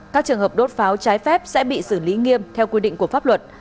các trường hợp đốt pháo trái phép sẽ bị xử lý nghiêm theo quy định của pháp luật